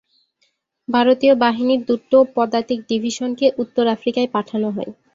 ভারতীয় বাহিনীর দুটো পদাতিক ডিভিশনকে উত্তর আফ্রিকায় পাঠানো হয়।